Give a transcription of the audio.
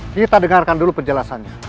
kita dengarkan dulu penjelasannya